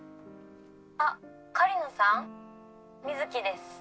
「あっ狩野さん？美月です」